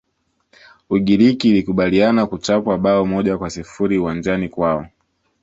ugiriki ilikubalia kuchapwa bao moja kwa sifuri uwanjani kwao